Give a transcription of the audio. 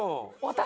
私？